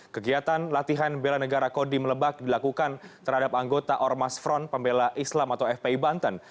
kegiatan latihan bela negara kodim lebak dilakukan terhadap anggota ormas front pembela islam atau fpi banten